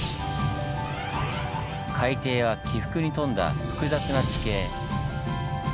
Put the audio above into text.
海底は起伏に富んだ複雑な地形。